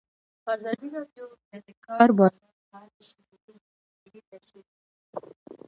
ازادي راډیو د د کار بازار په اړه سیمه ییزې پروژې تشریح کړې.